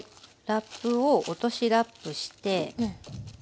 ラップを落としラップして。